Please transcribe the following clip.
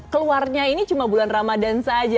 keluarnya ini cuma bulan ramadan saja